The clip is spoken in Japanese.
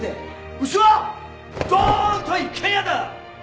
うちは「ドーンと一軒家」だ！